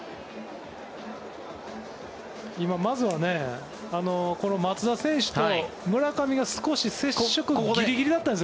今、まずはこの松田選手と村上が少し接触ギリギリだったんです。